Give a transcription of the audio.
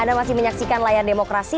anda masih menyaksikan layar demokrasi